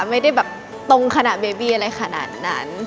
ไม่ได้แบบตรงขนาดเบบีอะไรขนาดนั้น